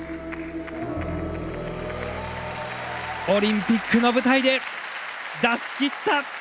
オリンピックの舞台で出し切った！